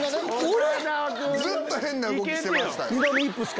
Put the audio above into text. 俺⁉ずっと変な動きしてましたよ。